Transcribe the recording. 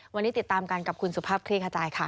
วันนี้ติดตามกันกับคุณสุภาพคลี่ขจายค่ะ